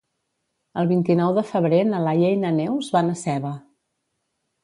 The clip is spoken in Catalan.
El vint-i-nou de febrer na Laia i na Neus van a Seva.